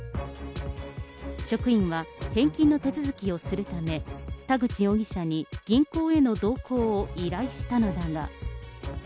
職員は返金の手続きをするため、田口容疑者に銀行への同行を依頼したのだが。